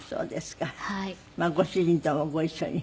まあご主人ともご一緒に。